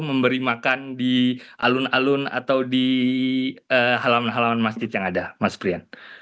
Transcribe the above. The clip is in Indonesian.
memberi makan di alun alun atau di halaman halaman masjid yang ada mas prian